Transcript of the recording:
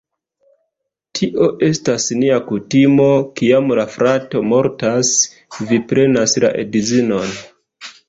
Tio estas nia kutimo, kiam la frato mortas, vi prenas la edzinon